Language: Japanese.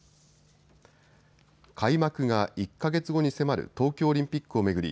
開幕が１か月後に迫る東京オリンピックを巡り